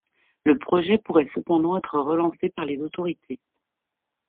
Le projet pourrait cependant être relancé par les autorités.